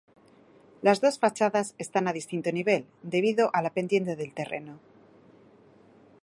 Las dos fachadas están a distinto nivel, debido a la pendiente del terreno.